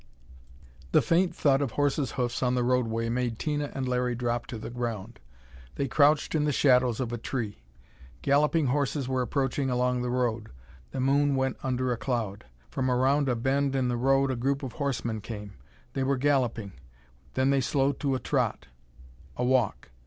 The faint thud of horses' hoofs on the roadway made Tina and Larry drop to the ground. They crouched in the shadows of a tree. Galloping horses were approaching along the road. The moon went under a cloud. From around a bend in the road a group of horsemen came. They were galloping; then they slowed to a trot; a walk.